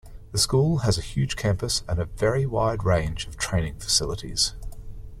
The school has a huge campus and a very wide range of training facilities.